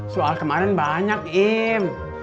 soal kemarin banyak im